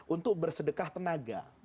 untuk bersedekah tenaga